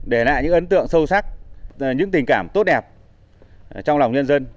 để lại những ấn tượng sâu sắc những tình cảm tốt đẹp trong lòng nhân dân